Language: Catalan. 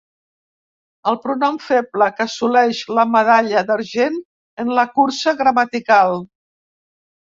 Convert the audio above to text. El pronom feble que assoleix la medalla d'argent en la cursa gramatical.